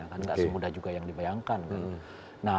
nggak semudah juga yang dibayangkan